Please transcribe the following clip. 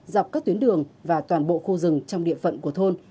dọc các tuyến đường và toàn bộ khu rừng trong địa phận của thôn